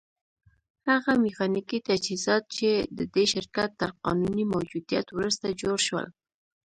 هغه ميخانيکي تجهيزات چې د دې شرکت تر قانوني موجوديت وروسته جوړ شول.